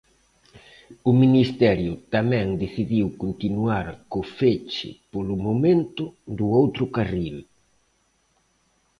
O Ministerio tamén decidiu continuar co peche polo momento do outro carril.